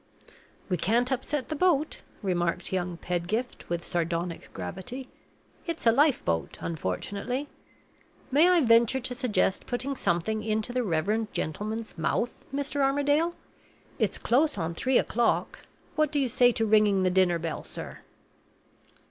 "We can't upset the boat," remarked young Pedgift, with sardonic gravity. "It's a lifeboat, unfortunately. May I venture to suggest putting something into the reverend gentleman's mouth, Mr. Armadale? It's close on three o'clock. What do you say to ringing the dinner bell, sir?"